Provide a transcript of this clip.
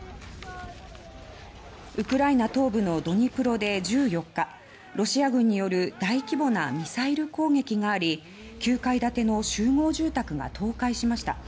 ウクライナ東部のドニプロで１４日ロシア軍による大規模なミサイル攻撃があり９階建ての集合住宅が倒壊しました。